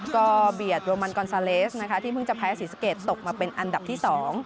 ก็เบียดโรมันกอนซาเลสนะคะที่เพิ่งจะแพ้ศรีสะเกดตกมาเป็นอันดับที่๒